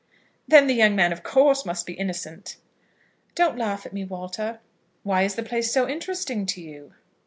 "Then the young man, of course, must be innocent." "Don't laugh at me, Walter." "Why is the place so interesting to you?"